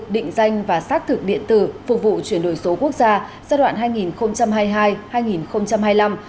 định danh và xác thực điện tử phục vụ chuyển đổi số quốc gia giai đoạn hai nghìn hai mươi hai hai nghìn hai mươi năm